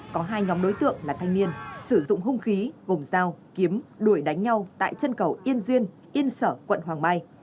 có hai nhóm đối tượng là thanh niên sử dụng hung khí gồm dao kiếm đuổi đánh nhau tại chân cầu yên duyên yên sở quận hoàng mai